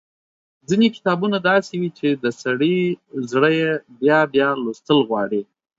ځينې کتابونه داسې وي چې د سړي زړه يې بيا بيا لوستل غواړي۔